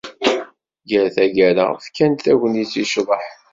Ɣer taggara, fkan tagnit i ccḍeḥ.